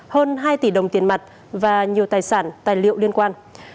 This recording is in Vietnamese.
hơn hai tỷ đồng tiền mặt và nhiều tài sản tài liệu liên quan